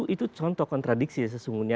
itu contoh kontradiksi sesungguhnya